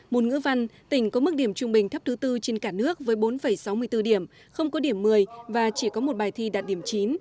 môn ngữ văn tỉnh có mức điểm trung bình thấp thứ bốn trên cả nước với bốn sáu mươi bốn điểm không có điểm một mươi và chỉ có một bài thi đạt điểm chín